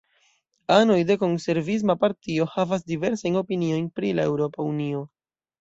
Anoj de Konservisma Partio havas diversajn opiniojn pri la Eŭropa Unio.